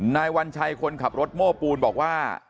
นายวัญชัยคนขับรถโม้ปูนบอกว่า